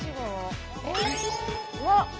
うわっ！